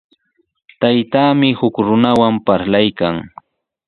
Taytaami huk runawan parlaykan.